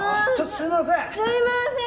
すいません！